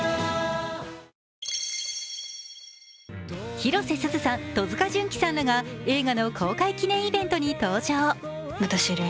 広瀬すずさん、戸塚純貴さんらが映画の公開記念イベントに登場。